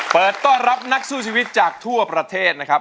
เปิดต้อนรับนักสู้ชีวิตจากทั่วประเทศนะครับ